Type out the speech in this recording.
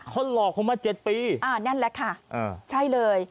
เขาหลอกผมมา๗ปีอ่านั่นแหละค่ะใช่เลย